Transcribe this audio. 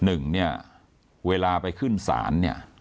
หนึ่งเนี่ยเวลาไปขึ้นศาลเนี่ยต้องมีทีมไปเฝ้าฟังด้วย